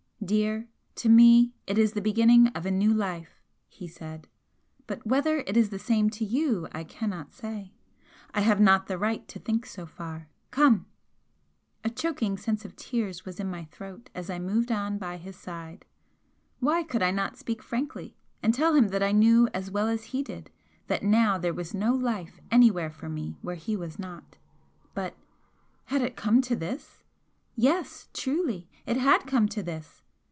"Dear, to me it is the beginning of a new life!" he said "But whether it is the same to you I cannot say. I have not the right to think so far. Come!" A choking sense of tears was in my throat as I moved on by his side. Why could I not speak frankly and tell him that I knew as well as he did that now there was no life anywhere for me where he was not? But had it come to this? Yes, truly! it had come to this!